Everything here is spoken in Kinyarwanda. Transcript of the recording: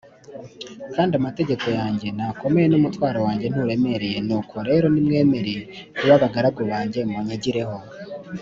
Kandi amategeko yanjye ntakomeye n’umutwaro wanjye nturemereye nuko rero nimwemere kuba abagaragu banjye munyigireho.